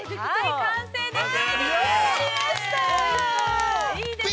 ◆完成です。